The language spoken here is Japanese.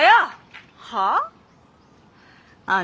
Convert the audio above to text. はあ？